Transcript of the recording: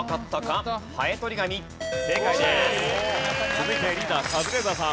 続いてリーダーカズレーザーさん。